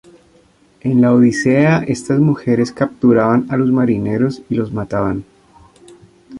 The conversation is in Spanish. En la Odisea estas mujeres capturaban a los marineros y los mataban.